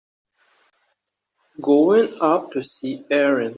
Going up to see Erin.